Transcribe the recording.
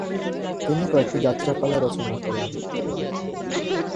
তিনি কয়েকটি যাত্রাপালা রচনা করেন।